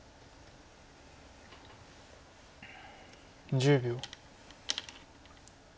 １０秒。